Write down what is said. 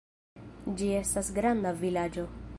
Ĝi estas granda vilaĝo.